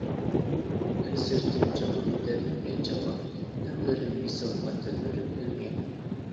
ھەسرىتىم چالىدۇ دەردىمگە چاۋاك، لەۋلىرىم ۋىسالغا تەلمۈرۈپ ئۆلگەن.